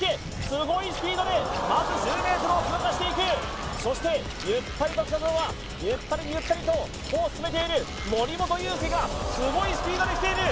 すごいスピードでまず１０ｍを通過していくそしてゆったりと北園はゆったりゆったりと歩を進めている森本裕介がすごいスピードで来ている